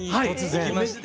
行きまして。